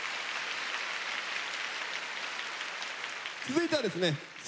続いてはですね